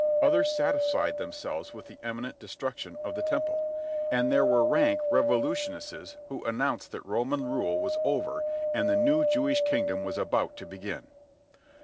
Others satisfied themselves with the imminent destruction of the Temple. And there were rank revolutionists who announced that Roman rule was over and the new Jewish kingdom about to begin.